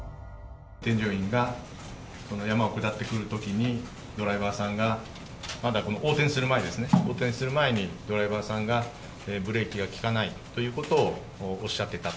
添乗員がその山を下ってくるときに、ドライバーさんがまだ横転する前ですね、横転する前に、ドライバーさんが、ブレーキが利かないということをおっしゃってた。